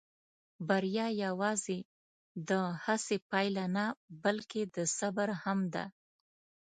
بریا یواځې د هڅې پایله نه، بلکې د صبر هم ده.